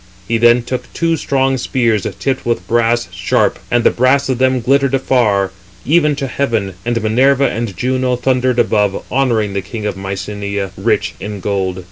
He then took two strong spears, tipped with brass, sharp; and the brass of them glittered afar, even to heaven: and Minerva and Juno thundered above, honouring the king of Mycenæ, rich in gold.